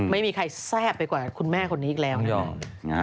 ไม่มีใครแซ่บไปกว่าคุณแม่คนนี้อีกแล้วนะครับ